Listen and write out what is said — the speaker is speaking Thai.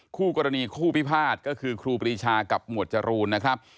คู่กรณีคู่พิพาทก็คือครูปรีชากับหมวดจรูนนะครับ